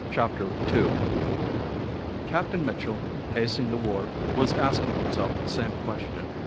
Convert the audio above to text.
CHAPTER TWO Captain Mitchell, pacing the wharf, was asking himself the same question.